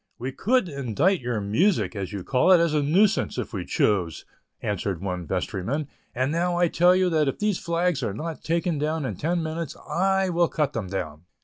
"We could indict your 'music,' as you call it, as a nuisance, if we chose," answered one vestryman, "and now I tell you that if these flags are not taken down in ten minutes, I will cut them down."